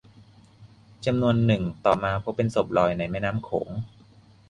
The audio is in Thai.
จำนวนหนึ่งต่อมาพบเป็นศพลอยในแม่น้ำโขง